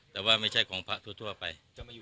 แต่ว่าไม่ใช่ของพระทั่วไป